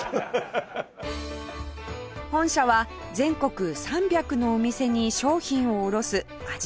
本社は全国３００のお店に商品を卸す味